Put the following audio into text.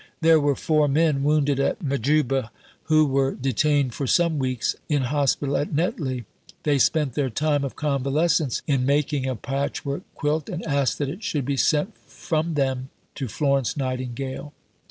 There were four men, wounded at Majuba, who were detained for some weeks in hospital at Netley. They spent their time of convalescence in making a patchwork quilt, and asked that it should be sent from them "to Florence Nightingale."